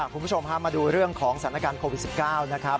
คุณผู้ชมพามาดูเรื่องของสถานการณ์โควิด๑๙นะครับ